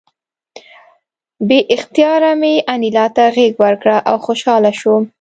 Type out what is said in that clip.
بې اختیاره مې انیلا ته غېږ ورکړه او خوشحاله شوم